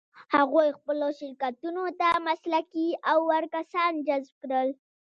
هغوی خپلو شرکتونو ته مسلکي او وړ کسان جذب کړل.